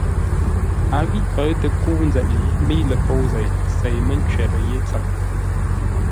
A ghî pə̌ʉ tə kə́u nzeʼ, mə́i ləfôu zêi sêi mə́ ncwərə́ yé tsəm.